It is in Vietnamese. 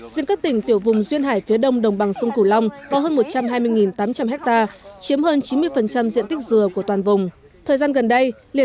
diện các tỉnh tiểu vùng duyên hải phía đông đồng bằng sông cửu long có hơn một trăm hai mươi tám trăm linh hectare